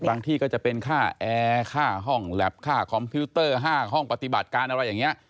ที่ก็จะเป็นค่าแอร์ค่าห้องแล็บค่าคอมพิวเตอร์๕ห้องปฏิบัติการอะไรอย่างนี้